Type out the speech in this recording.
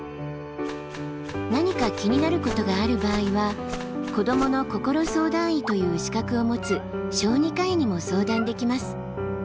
何か気になることがある場合は「子どもの心相談医」という資格を持つ小児科医にも相談できます。